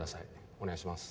お願いします。